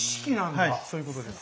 はいそういうことです。